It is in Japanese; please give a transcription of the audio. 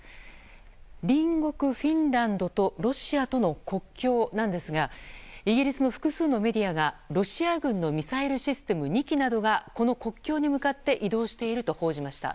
隣国フィンランドとロシアとの国境なんですがイギリスの複数のメディアがロシア軍のミサイルシステム２基などがこの国境に向かって移動していると報じました。